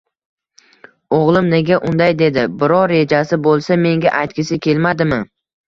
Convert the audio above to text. O`g`lim nega unday dedi, biror rejasi bo`lsa menga aytgisi kelmadimi